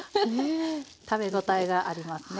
食べ応えがありますね。